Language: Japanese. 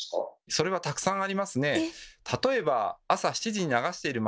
それはたくさんありますね。